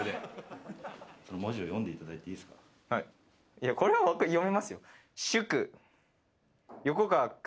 いやこれは読めますよ。